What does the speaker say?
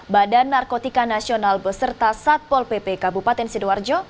badan narkotika nasional beserta satpol pp kabupaten sidoarjo